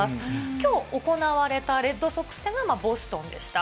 きょう行われたレッドソックス戦はボストンでした。